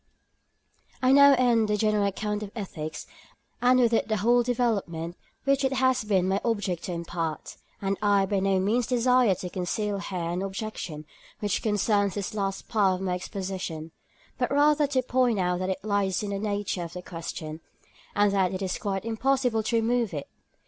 I now end the general account of ethics, and with it the whole development of that one thought which it has been my object to impart; and I by no means desire to conceal here an objection which concerns this last part of my exposition, but rather to point out that it lies in the nature of the question, and that it is quite impossible to remove it.